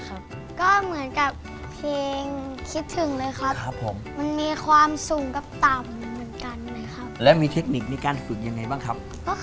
ก็เหมือนกับเพลงคิดถึงเลยครับ